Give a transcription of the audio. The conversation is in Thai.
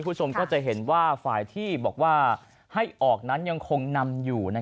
คุณผู้ชมก็จะเห็นว่าฝ่ายที่บอกว่าให้ออกนั้นยังคงนำอยู่